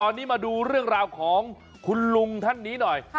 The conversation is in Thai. ตอนนี้มาดูเรื่องราวของคุณลุงท่านนี้หน่อย